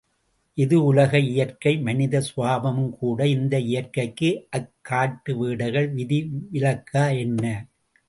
இது உலக இயற்கை மனித சுபாவமுங் கூட இந்த இயற்கைக்கு அக் காட்டு வேடர்கள் விதி விலக்கா என்ன?